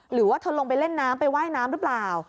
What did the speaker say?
หรือว่าเธอลงไปเล่นน้ำไปว่ายน้ำหรือเปล่า